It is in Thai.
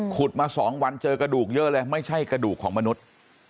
มา๒วันเจอกระดูกเยอะเลยไม่ใช่กระดูกของมนุษย์